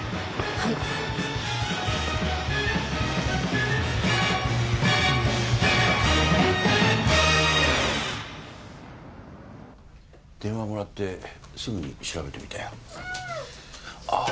はい電話もらってすぐに調べてみたよああ